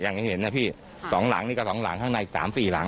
อย่างที่เห็นนะพี่สองหลังนี่ก็สองหลังข้างในอีกสามสี่หลัง